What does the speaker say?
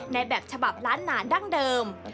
แบบฉบับล้านนานดั้งเดิม